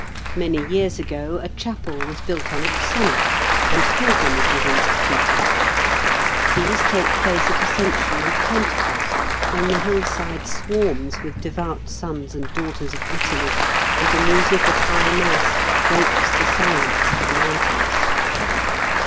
Many years ago a chapel was built on its summit, and pilgrimages instituted. These take place at Ascension and Pentecost, when the hillside swarms with devout sons and daughters of Italy, and the music of high mass breaks the silence of the mountains.